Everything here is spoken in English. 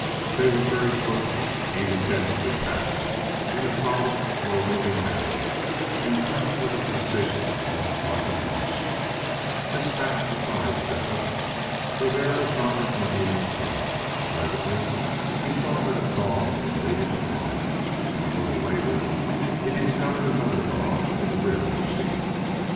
They were very closely, even densely, packed, in a solid slow moving mass and coming with a precision almost like a march. This fact surprised Shefford, for there was not an Indian in sight. Presently he saw that a dog was leading the flock, and a little later he discovered another dog in the rear of the sheep.